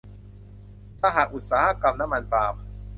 สหอุตสาหกรรมน้ำมันปาล์ม